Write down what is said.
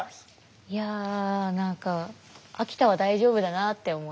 いや何か秋田は大丈夫だなって思いました。